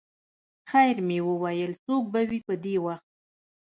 خیر مې وویل څوک به وي په دې وخت.